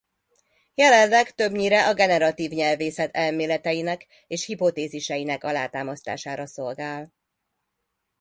Jelenleg többnyire a generatív nyelvészet elméleteinek és hipotéziseinek alátámasztására szolgál.